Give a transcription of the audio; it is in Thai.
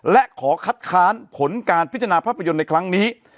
และขอคัดค้านผลการพิจารณาภาพยนตร์ในครั้งนี้